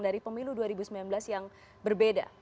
dari pemilu dua ribu sembilan belas yang berbeda